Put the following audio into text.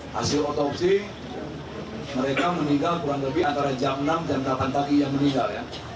hasil otopsi mereka meninggal kurang lebih antara jam enam dan delapan pagi yang meninggal